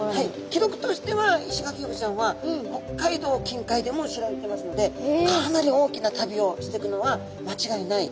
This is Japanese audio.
記録としてはイシガキフグちゃんは北海道近海でも知られてますのでかなり大きな旅をしてくのは間違いない。